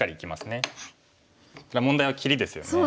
問題は切りですよね。